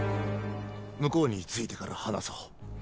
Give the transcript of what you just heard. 向こうに着いてから話そう